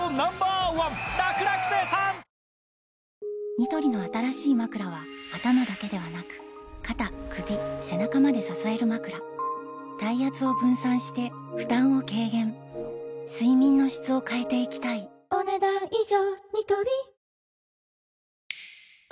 ニトリの新しいまくらは頭だけではなく肩・首・背中まで支えるまくら体圧を分散して負担を軽減睡眠の質を変えていきたいお、ねだん以上。